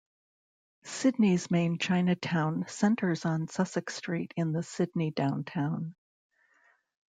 Sydney's main Chinatown centers on Sussex Street in the Sydney downtown.